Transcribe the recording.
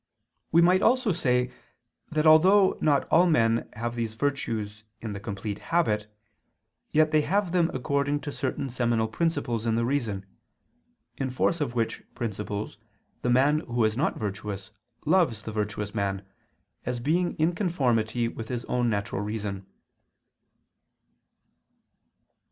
We might also say that although not all men have these virtues in the complete habit, yet they have them according to certain seminal principles in the reason, in force of which principles the man who is not virtuous loves the virtuous man, as being in conformity with his own natural reason.